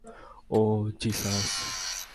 ওহ, Jesus!